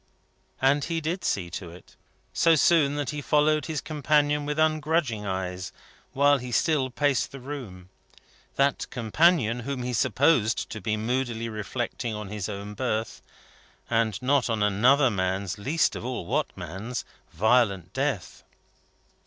And he did see to it, so soon that he followed his companion with ungrudging eyes, while he still paced the room; that companion, whom he supposed to be moodily reflecting on his own birth, and not on another man's least of all what man's violent Death.